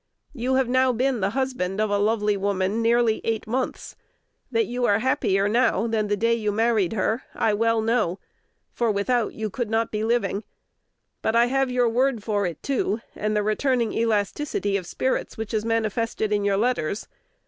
You have now been the husband of a lovely woman nearly eight months. That you are happier now than the day you married her, I well know; for without you could not be living. But I have your word for it, too, and the returning elasticity of spirits which is manifested in your letters.